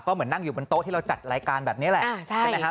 ก็เหมือนนั่งอยู่บนโต๊ะที่เราจัดรายการแบบนี้แหละ